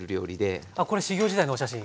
これ修業時代のお写真。